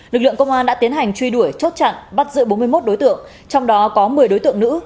lực lượng công an đã tiến hành truy đuổi chốt chặn bắt giữ bốn mươi một đối tượng trong đó có một mươi đối tượng nữ